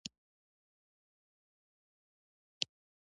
هغه د مغولو د بریدونو مخه ونیوله.